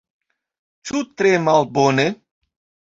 Ĉu tre malbone?